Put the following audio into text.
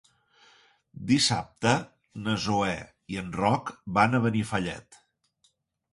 Dissabte na Zoè i en Roc van a Benifallet.